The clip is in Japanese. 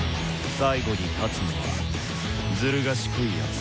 最後に勝つのはズル賢いやつさ。